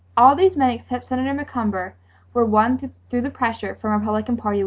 All of these men except Senator McCumber were won through the pressure from Republican Party leaders.